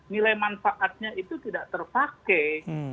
nilai manfaatnya itu tidak terpakai